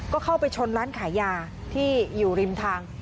ก็เข้าไปชนร้านขายยาที่อยู่ริมทาง